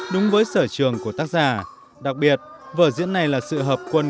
đặc biệt vở diễn này là sự hợp quân